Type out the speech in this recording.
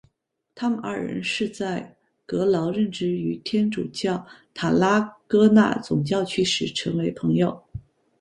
他们二人是在格劳任职于天主教塔拉戈纳总教区时成为朋友。